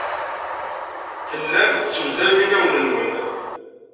Tellam tessewzalem inawen-nwen.